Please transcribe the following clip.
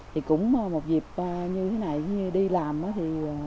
thì cũng một dịp như thế này như đi làm á thì